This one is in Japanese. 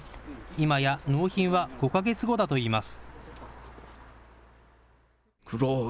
今や納品は５か月後だといいます。